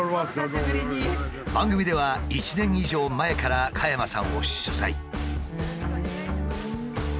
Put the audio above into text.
番組では１年以上前から加山さんを取材。